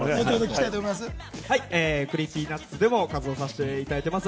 ＣｒｅｅｐｙＮｕｔｓでもラップさせていただいています。